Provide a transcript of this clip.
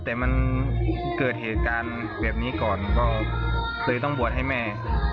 แต่มันเกิดเหตุการณ์ส่วนเร็วนี้ก่อนก็ตรีต้องบวชให้แม่